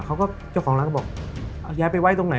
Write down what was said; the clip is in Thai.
เจ้าของร้านก็บอกเอายายไปไว้ตรงไหน